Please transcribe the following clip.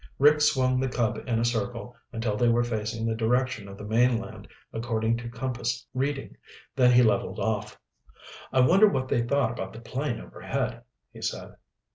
Rick swung the Cub in a circle until they were facing the direction of the mainland according to compass reading, then he leveled off. "I wonder what they thought about the plane overhead," he said.